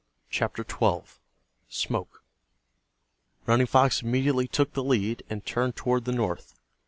CHAPTER XII—SMOKE Running Fox immediately took the lead, and turned toward the north.